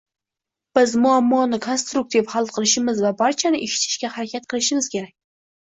Biz muammoni konstruktiv hal qilishimiz va barchani eshitishga harakat qilishimiz kerak